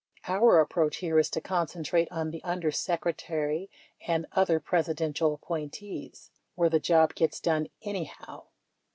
Our approach here is to concentrate on the Under Secretary and other Presidential appointees, where the job gets done anyhow.